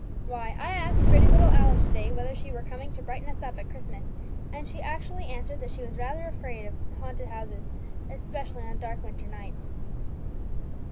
Why, I asked pretty little Alice to day whether she were coming to brighten us up at Christmas, and she actually answered that she was rather afraid of haunted houses, especially on dark winter nights."